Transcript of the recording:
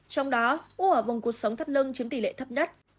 trong đó u ở vùng cột sống thắt lưng chiếm tỷ lệ thấp nhất